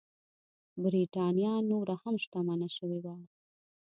برېټانیا نوره هم شتمنه شوې وه.